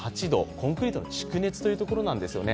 コンクリートの蓄熱というところなんですよね。